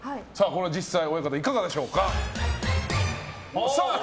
実際、親方いかがでしょうか。